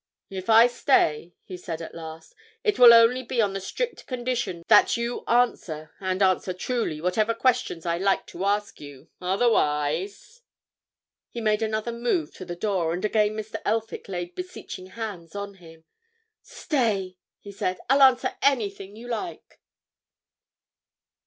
"If I stay," he said, at last, "it will only be on the strict condition that you answer—and answer truly—whatever questions I like to ask you. Otherwise——" He made another move to the door, and again Mr. Elphick laid beseeching hands on him. "Stay!" he said. "I'll answer anything you like!"